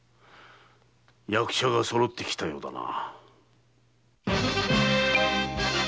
役者が揃ってきたようだな。